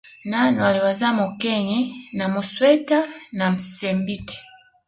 Nano aliwazaa Mokenye na Musweta na Msimbete